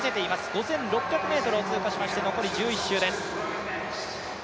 ５６００ｍを通過しまして、残り１１周です。